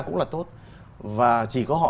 cũng là tốt và chỉ có họ